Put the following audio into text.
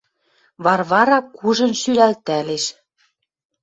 Варвара кужын шӱлӓлтӓлеш